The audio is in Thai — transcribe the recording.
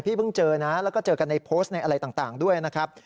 เพิ่งเจอนะแล้วก็เจอกันในโพสต์ในอะไรต่างด้วยนะครับ